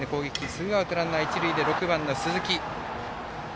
ツーアウト、ランナー、一塁で６番の鈴木。